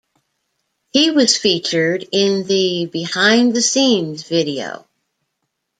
He was featured in the 'Behind the Scenes' video.